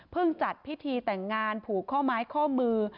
เพิ่งจัดพิธีแต่งงานผูกข้อม้ายข้อมือ